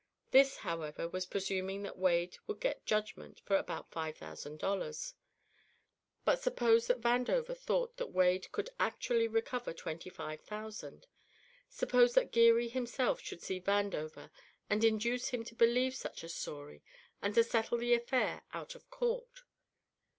This, however, was presuming that Wade would get judgment for about five thousand dollars. But suppose that Vandover thought that Wade could actually recover twenty five thousand! Suppose that Geary himself should see Vandover and induce him to believe such a story, and to settle the affair out of court!